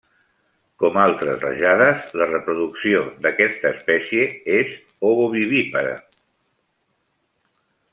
Com altres rajades, la reproducció d'aquesta espècie és Ovovivípara.